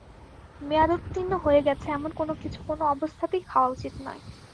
মেয়াদোত্তীর্ণ হয়ে গেছে এমন কোনো কিছু কোনো অবস্থাতেই খাওয়া উচিত নয়।